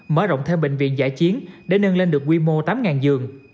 mở rộng thêm bệnh viện giải chiến để nâng lên được quy mô tám giường